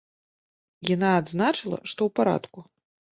Яна адзначыла, што ў парадку.